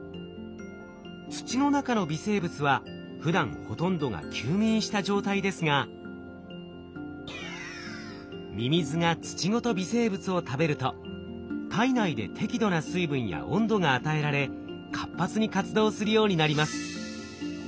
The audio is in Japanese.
土の中の微生物はふだんほとんどが休眠した状態ですがミミズが土ごと微生物を食べると体内で適度な水分や温度が与えられ活発に活動するようになります。